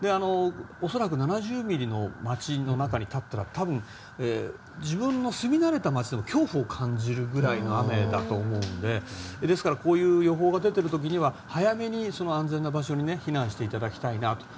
恐らく７０ミリの町の中に立ったら多分、自分の住み慣れた町でも恐怖を感じるぐらいの雨だと思うのでですから、こういう予報が出ている時には早めに安全な場所に避難していただきたいと。